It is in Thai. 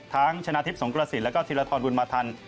ทั้งชนะทิพย์สงกรศิษฐ์และก็ธีรฐรบุญมาธรรพ์